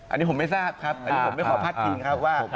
อันนี้ผมไม่ทราบครับอันนี้ผมไม่ขอพาดพิงครับว่า